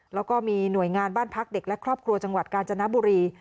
แล้วก็มีหน่วยงานบ้านพักเด็กและครอบครัวจังหวัดกาญจนบุรี